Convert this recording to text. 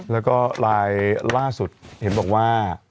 แล้วก็ลายล่าสุดเห็นบอกว่า